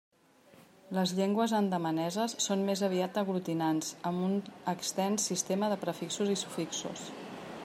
Les llengües andamaneses són més aviat aglutinants, amb un extens sistema de prefixos i sufixos.